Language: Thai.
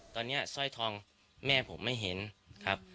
ตอนนี้สร้อยทองแม่ผมไม่เห็นครับ